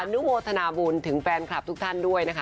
นุโมทนาบุญถึงแฟนคลับทุกท่านด้วยนะคะ